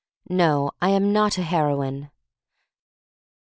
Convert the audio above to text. No, I am not a heroine.